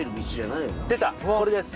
これです。